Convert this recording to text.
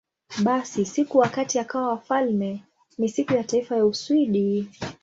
Basi, siku wakati akawa wafalme ni Siku ya Taifa ya Uswidi.